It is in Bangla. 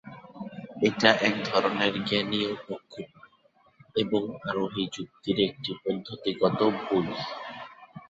এটা একধরনের জ্ঞানীয় পক্ষপাত, এবং আরোহী যুক্তির একটি পদ্ধতিগত ভুল।